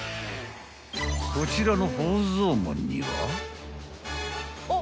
［こちらの宝蔵門には］